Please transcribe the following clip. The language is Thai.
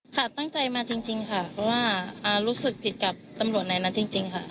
ค่ะตั้งใจมาจริงค่ะเพราะว่ารู้สึกผิดกับตำรวจในนั้นจริงค่ะ